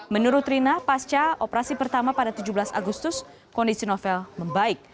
menurut rina pasca operasi pertama pada tujuh belas agustus kondisi novel membaik